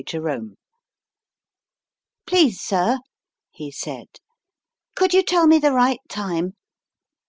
JEROME PLEASE, sir, he said, could you tell me the right time